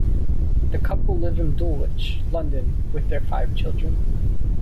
The couple live in Dulwich, London, with their five children.